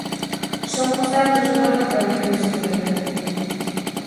Son uns datos moi comprometidos socialmente.